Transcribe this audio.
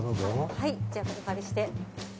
はいじゃあお借りして。